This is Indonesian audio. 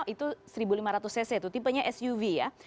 itu seribu lima ratus cc itu tipenya suv ya